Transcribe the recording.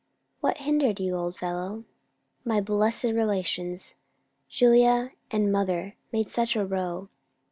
"What hindered you, old fellow?" "My blessed relations. Julia and mother made such a row.